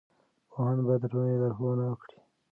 پوهان باید د ټولنې لارښوونه وکړي.